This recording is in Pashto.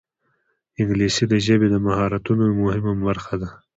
انګلیسي د ژبې د مهارتونو یوه مهمه برخه ده